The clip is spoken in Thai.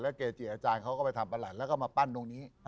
เกจิอาจารย์เขาก็ไปทำประหลัดแล้วก็มาปั้นตรงนี้